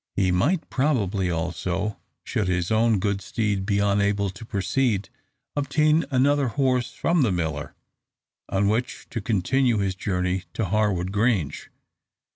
He might probably also, should his own good steed be unable to proceed, obtain another horse from the miller, on which to continue his journey to Harwood Grange.